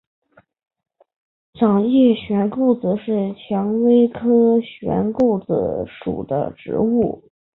掌叶悬钩子是蔷薇科悬钩子属的植物。